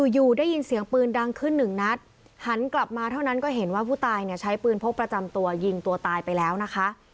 อยู่ได้ยินเสียงปืนดังขึ้นหนึ่งนัดหันกลับมาเท่านั้นก็เห็นว่าผู้ตายเนี่ยใช้ปืนพกประจำตัวยิงตัวตายไปแล้วนะคะ